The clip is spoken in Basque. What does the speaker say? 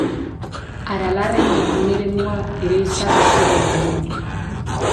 Aralarren jardun eremua ere ezarri zuten orduan.